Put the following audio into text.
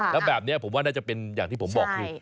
แล้วแบบนี้ผมว่าน่าจะเป็นอย่างที่ผมบอกคือ